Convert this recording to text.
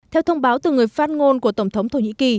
theo thông báo từ người phát ngôn của tổng thống thổ nhĩ kỳ